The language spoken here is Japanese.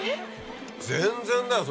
全然だよそれ。